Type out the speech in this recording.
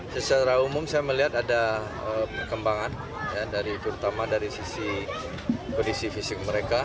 secara umum saya melihat ada perkembangan terutama dari sisi kondisi fisik mereka